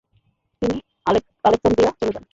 তিনি আলেক্সান্দ্রিয়া চলে যান।